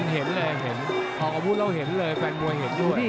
เห็นเลยเห็นออกอาวุธแล้วเห็นเลยแฟนมวยเห็นด้วย